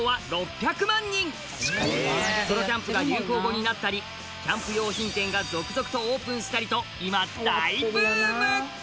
「ソロキャンプ」が流行語になったりキャンプ用品店が続々とオープンしたりと今大ブーム！